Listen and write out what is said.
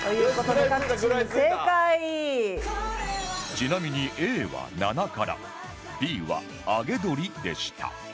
ちなみに Ａ はななから Ｂ は揚げ鶏でした